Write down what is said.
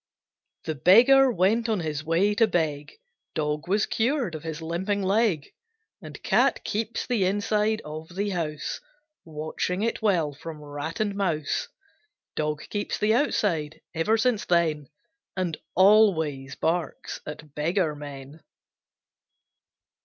The Beggar went on his way to beg; Dog was cured of his limping leg; And Cat keeps the inside of the house, Watching it well from rat and mouse, Dog keeps the outside, ever since then, And always barks at beggar men.